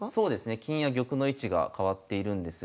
金や玉の位置が変わっているんですが。